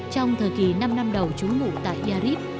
trong thời kỳ năm năm đầu chúng ngủ tại yarib